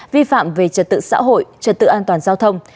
vi phạm về trật tự xã hội trật tự an toàn giao thông